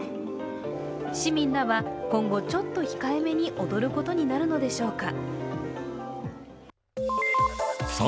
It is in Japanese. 市民らは、今後、ちょっと控えめに踊ることになるのでしょうか。